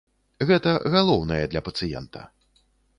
Гэта галоўнае для пацыента.